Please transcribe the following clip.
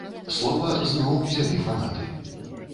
Слова зноў узялі фанаты.